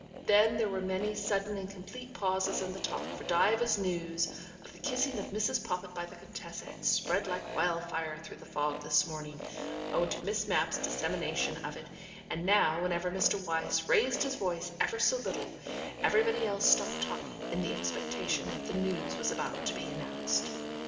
Then there were many sudden and complete pauses in the talk, for Diva's news of the kissing of Mrs. Poppit by the Contessa had spread like wildfire through the fog this morning, owing to Miss Mapp's dissemination of it, and now, whenever Mr. Wyse raised his voice ever so little, everybody else stopped talking, in the expectation that the news was about to be announced.